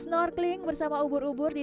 snorkeling bersama ubur ubur di